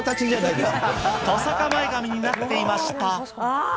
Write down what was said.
トサカ前髪になっていました。